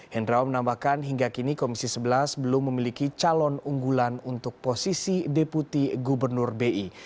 hendrawan menambahkan hingga kini komisi sebelas belum memiliki calon unggulan untuk posisi deputi gubernur bi